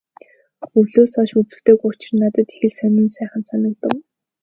Өвлөөс хойш үзэгдээгүй учир надад их л сонин сайхан санагдав.